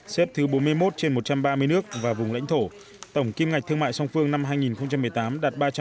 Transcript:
xếp thứ bốn mươi một trên một trăm ba mươi nước và vùng lãnh thổ tổng kim ngạch thương mại song phương năm hai nghìn một mươi tám đạt